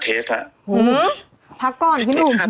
ก็เหมือนกันว่าตรวจเวลา๓